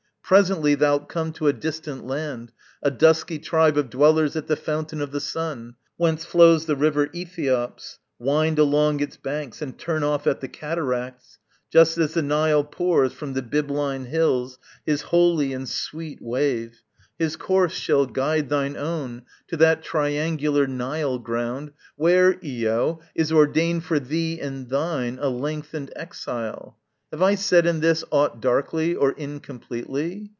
Presently Thou'lt come to a distant land, a dusky tribe Of dwellers at the fountain of the Sun, Whence flows the river Æthiops; wind along Its banks and turn off at the cataracts, Just as the Nile pours from the Bybline hills His holy and sweet wave; his course shall guide Thine own to that triangular Nile ground Where, Io, is ordained for thee and thine A lengthened exile. Have I said in this Aught darkly or incompletely?